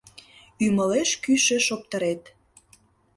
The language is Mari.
Ӱмылеш кӱшӧ шоптырет.